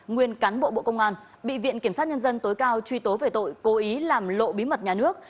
nguyên cán bộ bộ công an bị viện kiểm sát nhân dân tối cao truy tố về tội cố ý làm lộ bí mật nhà nước